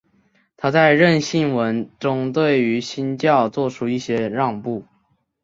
他在认信文中对于新教做出一些让步。